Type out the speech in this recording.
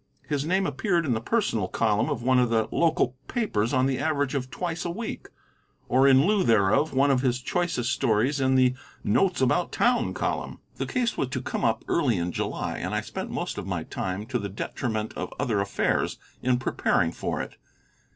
His name appeared in the personal column of one of the local papers on the average of twice a week, or in lieu thereof one of his choicest stories in the "Notes about Town" column. The case was to come up early in July, and I spent most of my time, to the detriment of other affairs, in preparing for it.